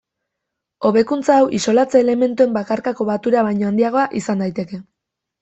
Hobekuntza hau isolatze-elementuen bakarkako batura baino handiagoa izan daiteke.